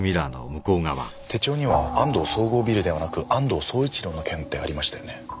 手帳には「安藤総合ビル」ではなく「安藤総一郎の件」ってありましたよね？